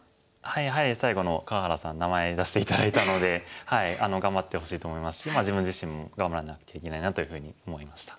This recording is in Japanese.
やはり最後の河原さん名前出して頂いたので頑張ってほしいと思いますし自分自身も頑張らなきゃいけないなというふうに思いました。